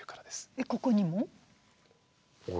ここにも？